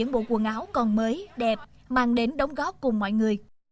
bộ quần áo còn mới đẹp mang đến đóng góp cùng mọi người